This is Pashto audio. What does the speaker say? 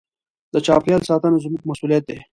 د چاپېریال ساتنه زموږ مسوولیت دی.